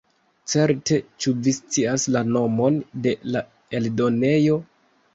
Certe, ĉu vi scias la nomon de la eldonejo?